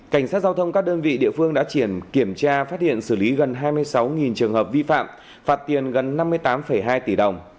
cảnh sát giao thông các đơn vị địa phương đã chuyển kiểm tra phát hiện xử lý gần hai mươi sáu trường hợp vi phạm phạt tiền gần năm mươi tám hai tỷ đồng